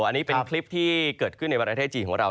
อันนี้เป็นคลิปที่เกิดขึ้นในประเทศจีนของเรา